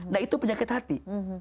nah itu penyakit hati